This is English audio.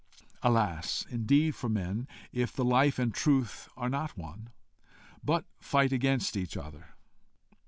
Alas indeed for men if the life and the truth are not one, but fight against each other!